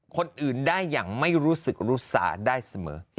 คนอื่นได้อย่างไม่รู้สึกรู้สาได้เสมอ